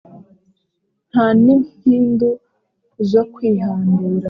nta n’impindu zo kwihandura